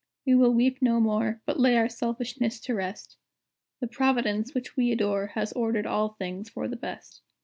we will weep no more, But lay our selfishness to rest; The Providence, which we adore, Has ordered all things for the best.